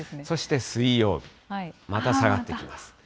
そして水曜日、また下がってきます。